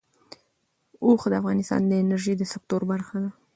اوښ د افغانستان د انرژۍ د سکتور برخه ده.